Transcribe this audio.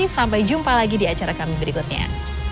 sampai jumpa lagi di acara kami berikutnya